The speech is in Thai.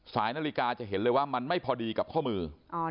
นาฬิกาจะเห็นเลยว่ามันไม่พอดีกับข้อมือ